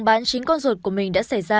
bán chính con ruột của mình đã xảy ra